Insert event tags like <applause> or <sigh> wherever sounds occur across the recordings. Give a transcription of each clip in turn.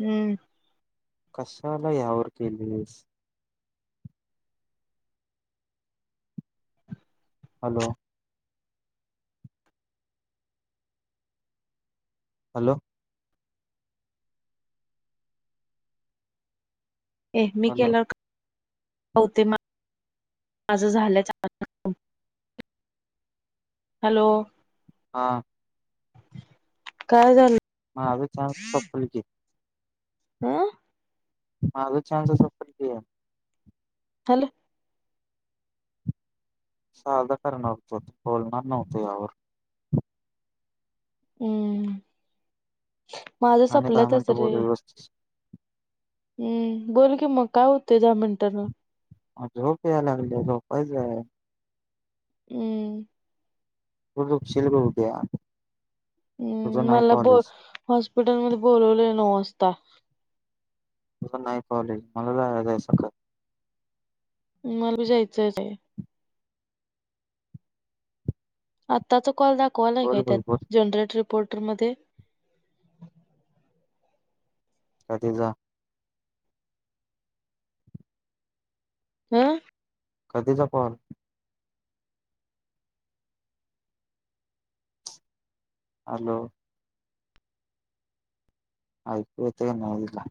हम्म. कशाला यावर केलीस. हॅलो. हॅलो. ए मी हॅलो केला हो ते माझं झालं चालू हॅलो. हा. काय झालं? माझं चान्स सपलं की. आं- मागं चान्स संपलं की हॅलो साधा करणार होतो, बोलणार नव्हतो यावर. हम्म. माझं आणि सपलं दहा तच मिनिटं रे. बोल व्यवस्थित हम्म बोल की मग काय होते दहा मिनटांन. मग झोप याय लागलीया झोपायचं. हम्म. उ शीलग होते. हम् मला ब हॉस्पिटलमध्ये बोलवलय नऊ वाजता. तं नाही पावले मलाजय स काळ. मलाबी जायचंच आहे. आताच कॉल दाखव. कॉल आहे बोल काय बोल त्यात बोल, जनरेटर पोर्टरमध्ये. अधी जा. हं. कधीचा कॉल? हॅलो. ऐकू येतय नव हीला.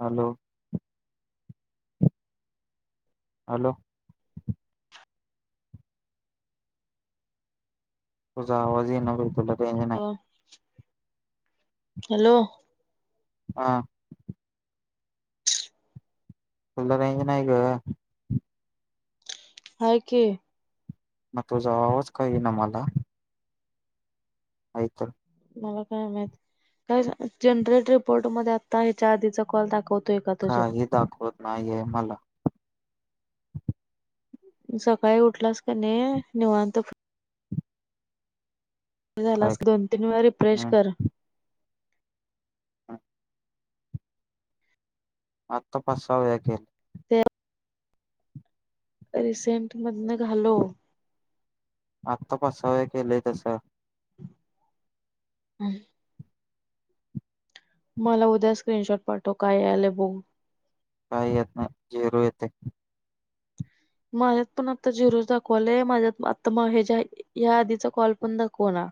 हॅलो हॅलो तुझा आवाज ये ना रेंज नाही. अं, हॅलो हा फुल रेंज नाही ग. आहे की. मग तुझा आवाज का येईना मला ऐक मला काय माहित काय जनरेट रिपोर्ट मध्ये आता ह्याच्या आधीचा कॉल दाखवतो. काही दाखवत नाहीये मला. सकाळी उठलास कने निवांत बघ हे काय झालास की दोन तीन वेळा रिफ्रेश हम्म कर. हा आत्ता पाच सहा वेळा केेल. रिसेंट मधन घालव. आत्ता पाच-सहा वेळा केलंय तसं <inaudible> मला उद्या स्क्रीनशॉट पाठव काय आलं बघू काही येत नाही झेरू येतय. माझ्यात पण आता झिरोज दाखवालाय माझ्यात आता मग ह्या ज्या या आधीचा कॉल पण दाखव ना.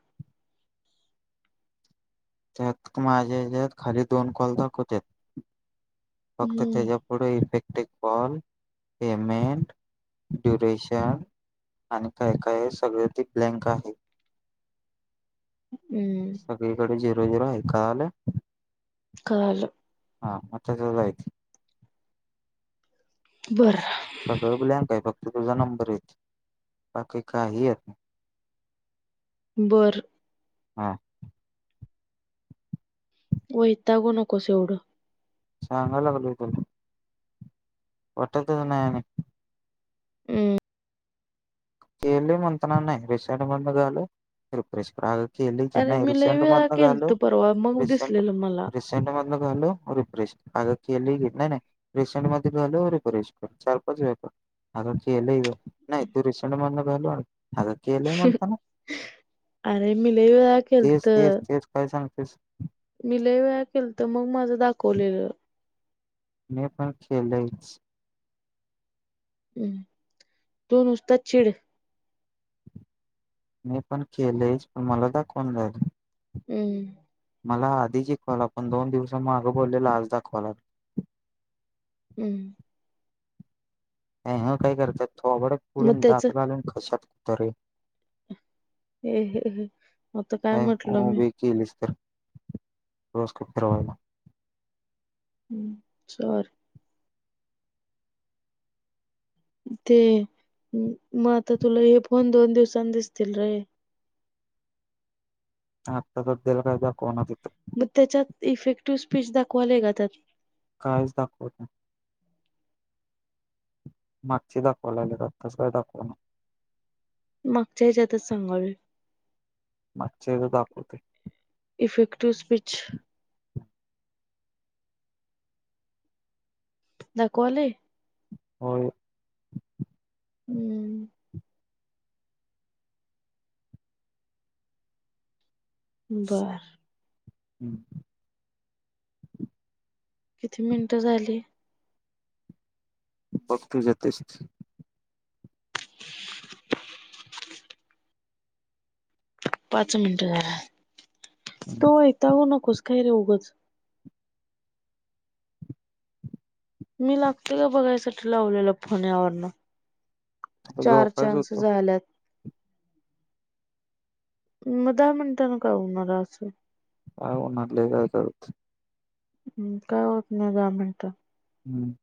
त्यात माझ्या हेच्यांत खाली दोन कॉल दाखवत्यात. फक्त हम्म त्याच्या पुढे इफेक्ट ते कॉल, पेमेंट, डुरेशन आणि काय काय सगळ ते ब्लँक आहे. हम्म सगळीकडे <unintelligible> काल हा आकाकड जायचं. बर सगळ ब्लॅक आहे फक्त तुझा नंबर येतोय बाकी काही येत नाही. बर हा. वयतागू नकोस एवढं. सांगाय लागलोय काय. उठतच नाही आणि हम्म केलोय म्हणताना नाही रिसेंट बंद झालय रिफ्रेश करा केलोय की अरे नाही मी लय रिसेंट वेळा मधन घालव केलत परवा मग रिसेंट दिसलेलं मला रिसेंट मधन घालो रिफ्रेश कर. अग केलोय ग नाही नाही रिसेंट मध्येे घालव रिफ्रेश कर चार-पाच वेळा केलोय आग केलोय ग नाही तू <unintelligible> केलंय म्हणताना अरे मी लय वेळा तेच तेच केलतं. काय तेच मी लय वेळा केलतं मग माझं दाखवलेलं मी पण केलयंच हम् तु नुसता चिड मी पण केलंयच पण मला दाखवना झालंय हम्म मला आधीच हि कॉल आला पण दोन दिवसा मागं बोललेलं आज दाखवालाय हम्म अ ह काय करतंय थोबाडंच मग फोडीन त्याच दात घालीन घशात <unintelligible> ए हे आता काय म्हटलं मी उभी केलीच तर रोज <unintelligible> हम् सॉरी ते मग आता तुला हे फोन दोन दिवसांनी दिसतील रे आत्ता तर त्याला काय दाखवाना तिथं मग त्याच्यात इफेक्टिव्ह स्पीच दाखवालाय का त्यात कायच दाखवत नाही. मागचे दाखवाय लागलेत आताच काय दाखवणा. मागच्या ह्याच्यातच सांगायलोय. मागच्या ह्याचं दाखवते. इफेक्टिव्ह स्पिच दाखवालंय. होय. हम्म बर हम्म किती मिनिटं झाली. बघ तुझं तूच पाच मिनटं झाला. तु आता हितं हो न कस काय रे उगंच मी लागतोय का बघायसाठी लावलेला फोन यावरनं चार झोपायच चान्स होतं झाल्यात. म दहा मिनटानं काय होणार हाय असं. काय उनादलंय काय कळ हम् काय होत नाही दहा मिनटा हम्म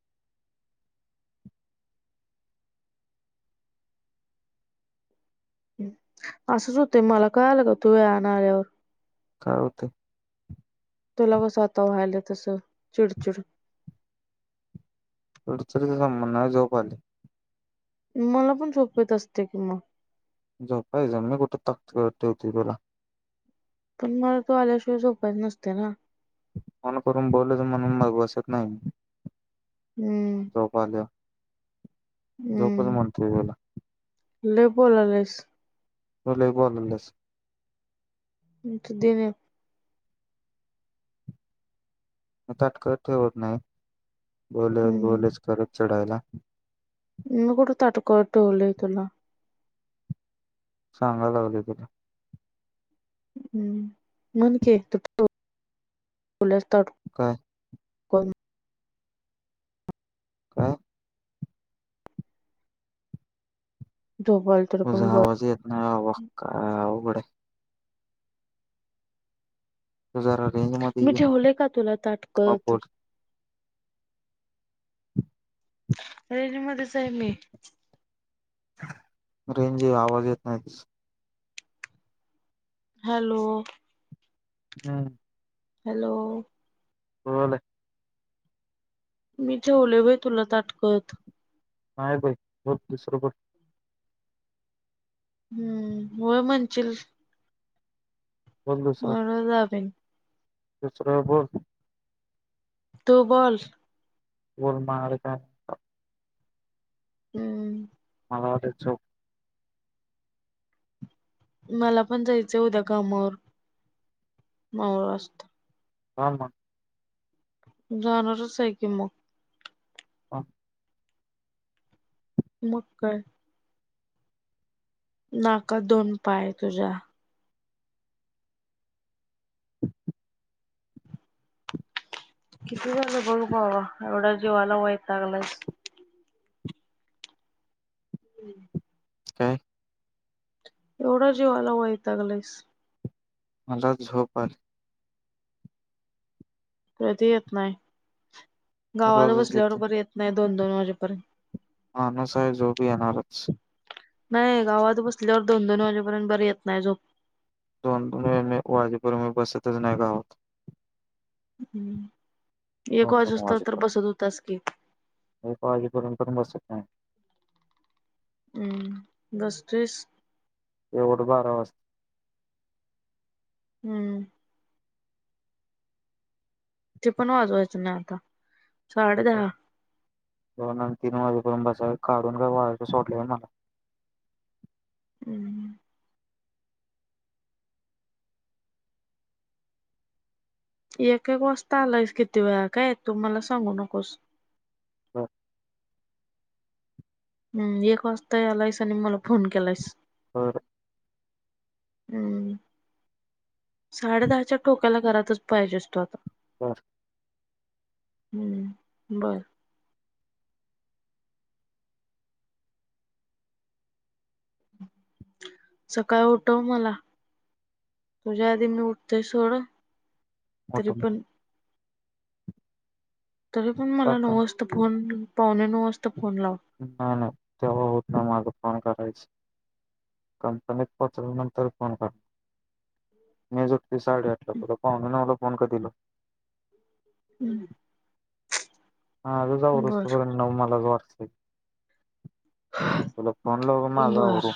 असंच होतंय मला कळालं का तु वेळानं आल्यावर काय होतंय. तुला कसं आता व्हायलाय तसं चिडचिड चिडचिडचा संबंध नाय झोप आली. मला पण सोपत असते किंवा <unintelligible> <unintelligible> झो कायज कुठे तात ठेवते बोला <unintelligible> <unintelligible> पण मला <unintelligible> तो आल्याशिवाय झोपायच नसते ना. फोन करून बोल तर म्हणून मग बसत नाही. हम्म झोपाल्या जोपद मंत्री गला <unintelligible> ल बोलालेस. वलबल <unintelligible> तुधन <unintelligible> म तटक ठेवत नाही <unintelligible> बोलेच हम्म बोलेच खरंच चढायला, मी कुठं ताटकळत ठेवलोय तुला, सांगा लागले गं, <inaudible> काय? ताटकळत काय? झोपायला तुला तुज पण बोल आवाज येत नाही बाबा काय अवघड तू जरा रेंज मध्ये मी ये ठेवलोय का तुला मग ताटकलत? बोल रेज मध्येच आहे मी, रेंज आवाज येत नाही? हॅलो! हम्म. हॅलो! बोल. मी तेेवलोय होय तुला ताटकळत? नाही बाई बोल सुरू कर, हम्म होय म्हणशील. बोल दुसरं <unintelligible> <unintelligible> तु‌ बोल! <unintelligible> हम्म. <inaudible> मला पण जायचंय उद्या कामावर मावल असतयं. जा मगं. जाणारच आहे की मगं, हा. मगं काय. नाका दोन पाय तुझा, <inaudible> <unintelligible> काय? एवढा जीवाला वयतगलास? मला झोप आली. कधी येत नाही? गावाला रोजच येते बसल्याबरोबर येत नाही. दोन दोन वाजेपर्यंत, माणूस आहे झोप येणाराच. नाही गावात बसल्यावर दोन दोन वाजेपर्यंत बर येत नाही झोप? दोन दोन वाजेपर्यंत मी बसतच नाही गावात. <unintelligible> एक दोन वाजू दोन तर वाजेपर्यंत बसत होतास की? एक वाजेपर्यंत पण बसत नाय. हम्म बसतोयस. एवढ बारा वाजता. हम्म ती पण वाजवायचं नाय आता साडे दहा <unintelligible> दोन आणि तीन वाजेयपर्यंत काढून काय वाऱ्यावर सोडलया का मला हम्म <unintelligible> एक एक वाजता आलायस किती वेळा काय तू मला सांगू नकोस हा <unintelligible> हम् एक वाजता यालाईस आणि मला फोन केलायस बर हम्म साडे दहाच्या टोक्याला घरातच पाहिजे तू आता बर हम्म बर सकाळ उठव मला तुझ्या आधी मी उठतेय सोड मोठ तरीपण तरी पण सांग मला नव वाजता फोन पावणे नऊ वाजता फोन लाव नाय नाय तेव्हा होत नाय फोन करायच कंपनीत पोहोचल्या नंतर फोन करा मीच उठतोय साडे आठला तला पाहुणे नऊला फोन कधी लाव हम्म, माझंच आवरूस बर पर्यंत नऊ मलाच वाजतेत टिक तुला फोन लावून का माझं बर आवरू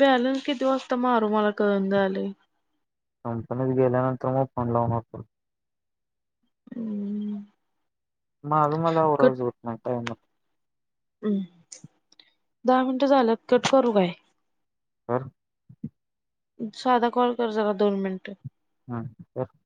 बॅलन्स किती वाजता मारू मला कळना झालंय कंपनीत गेल्यानंतर मग फोन लावनार हम्म <unintelligible> माझं मला आवरायचं होत नाय टायमात हम् दहा मिनिटं झालं कट करू काय <unintelligible> कर साधा कॉल कर जरा दोन मिनिट हा करतो